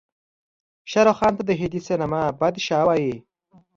شاروخ خان ته د هندي سينما بادشاه وايې.